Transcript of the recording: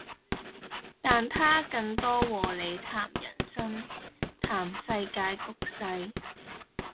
但他更多和你談人生、談世界局勢